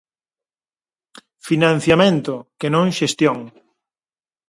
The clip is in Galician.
Financiamento, que non xestión.